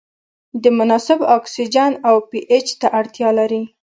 د مناسب اکسیجن او پي اچ ته اړتیا لري.